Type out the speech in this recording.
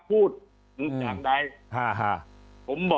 ครับ